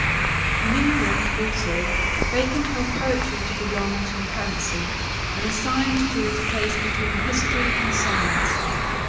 In England, also, Bacon held poetry to belong to the fancy, and assigned to it a place between history and science.